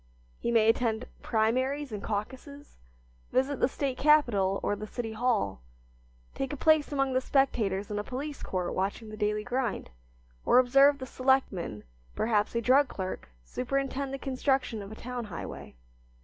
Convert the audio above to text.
He may attend primaries and caucuses, visit the State capital or the City Hall, take a place among the spectators in a police court watching the daily grind, or observe the selectman, perhaps a drug clerk, superintend the construction of a town highway.